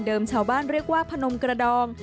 ชาวบ้านเรียกว่าพนมกระดอง